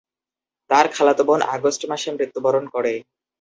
তার খালাতো বোন আগস্ট মাসে মৃত্যুবরণ করে।